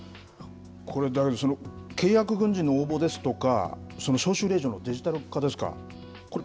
これ、だけど契約軍人の応募ですとか、招集令状のデジタル化ですか、これ、